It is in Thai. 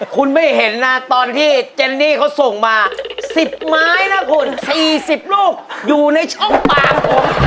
คุณไม่เห็นนะตอนที่เจนนี่เขาส่งมา๑๐ไม้นะคุณ๔๐ลูกอยู่ในช่องปากผม